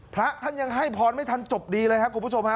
พระท่านยังให้พรไม่ทันจบดีเลยครับคุณผู้ชมฮะ